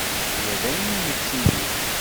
Aya d ayen ur nettili.